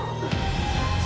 kaki ku senur jati